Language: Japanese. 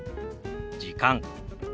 「時間」。